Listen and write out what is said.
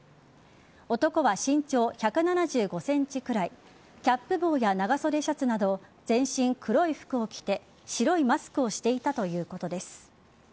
男は身長１７５ｃｍくらいキャップ帽や長袖シャツなど全身黒い服を着て白いマスクをしていたということです。